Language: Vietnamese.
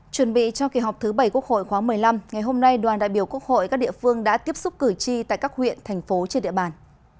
chuẩn bị cho kỳ họp thứ bảy quốc hội khoáng một mươi năm ngày hôm nay đoàn đại biểu quốc hội các địa phương đã tiếp xúc cử tri tại các huyện thành phố trên địa bàn